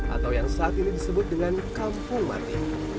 atau yang saat ini disebut dengan kampung mati